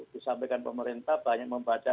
disampaikan pemerintah banyak membaca